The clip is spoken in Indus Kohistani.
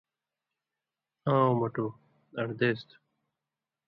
”آں او مٹُو اڑ دیس تُھو،